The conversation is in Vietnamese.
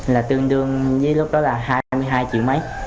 là tương đương với lúc đó là hai mươi hai triệu mấy